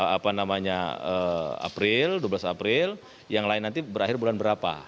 apa namanya april dua belas april yang lain nanti berakhir bulan berapa